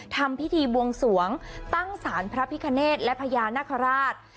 ทำพิธีบวงสวงตั้งสารพระพิคเนธและพญานาคาราช